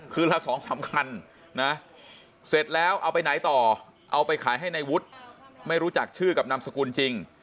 คือละสองสำคัญนะเสร็จแล้วเอาไปไหนต่อเอาไปขายให้ในวุฒิไม่รู้จักชื่อกับนามสกุลจริง